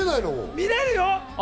見られるよ。